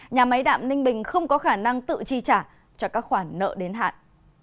nhà máy đạm ninh bình không có khả năng tự chi trả cho các khoản nợ đến hạn